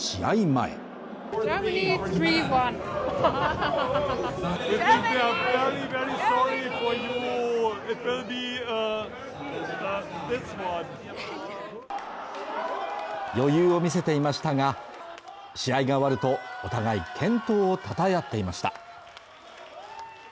前余裕を見せていましたが試合が終わるとお互い健闘をたたえあっていました